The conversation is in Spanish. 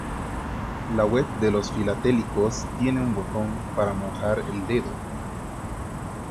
La web de los filatélicos tiene un botón para mojar el dedo.